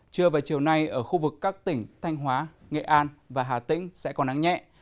trưa và chiều nay ở khu vực các tỉnh thanh hóa nghệ an và hà tĩnh sẽ còn nắng nhẹ